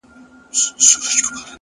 ویره یوازې د ذهن جوړ شوی تصور دی.